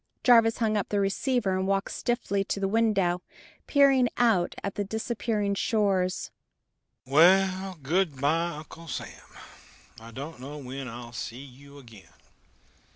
Jarvis hung up the receiver and walked stiffly to the window, peering out at the disappearing shores. "Well, good by, Uncle Sam. I don't know when I'll see you again.